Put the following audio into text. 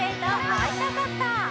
「会いたかった」